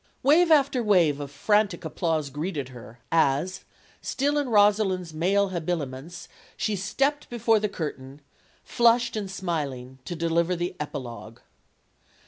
Wave after wave of frantic applause greeted her, as, still in Rosalind's male habiliments, she stepped before the curtain, flushed and smiling, to deliver the epilogue.